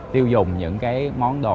tiêu dùng những cái món đồ